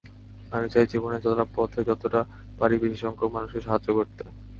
আমি চাই, জীবনে চলার পথে যতটা পারি বেশিসংখ্যক মানুষকে সাহায্য করতে।